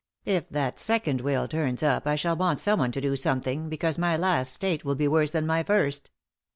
If that second will turns up I shall want someone to do something, because my last state will be worse than my first."